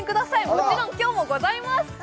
もちろん今日もございます！